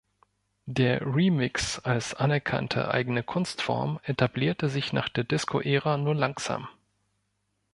Der Remix als anerkannte eigene Kunstform etablierte sich nach der Disco-Ära nur langsam.